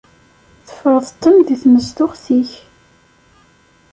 Teffreḍ-ten di tnezduɣt-ik.